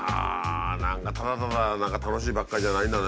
何かただただ楽しいばっかりじゃないんだね。